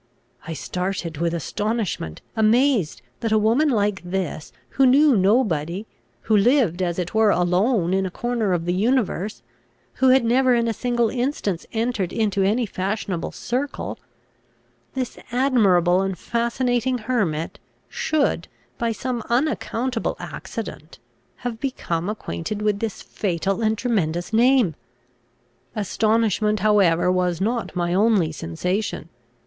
I started with astonishment, amazed that a woman like this, who knew nobody, who lived as it were alone in a corner of the universe, who had never in a single instance entered into any fashionable circle, this admirable and fascinating hermit, should, by some unaccountable accident, have become acquainted with this fatal and tremendous name. Astonishment however was not my only sensation.